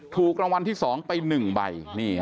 ถูกรางวัลที่๒ไป๑ใบ